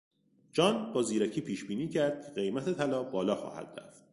جان با زیرکی پیش بینی کرد که قیمت طلا بالا خواهد رفت.